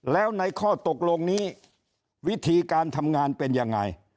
แล้วในข้อตกลงนี้วิธีการทำงานเป็นยังไง